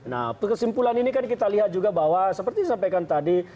nah kesimpulan ini kan kita lihat juga bahwa seperti disampaikan tadi